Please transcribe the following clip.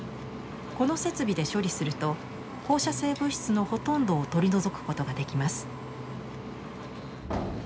この設備で処理すると放射性物質のほとんどを取り除くことができます。